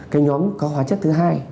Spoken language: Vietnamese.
cái nhóm có hóa chất thứ hai